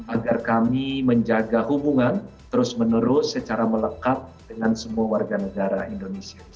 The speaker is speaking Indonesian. agar kami menjaga hubungan terus menerus secara melekat dengan semua warga negara indonesia